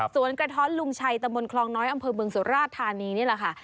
กระท้อนลุงชัยตะบนคลองน้อยอำเภอเมืองสุราชธานีนี่แหละค่ะ